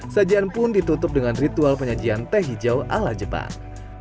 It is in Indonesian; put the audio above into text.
sajian pun ditutup dengan ritual penyajian teh hijau ala jepang